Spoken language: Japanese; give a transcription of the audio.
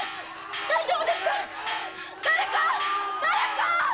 大丈夫ですか⁉誰か！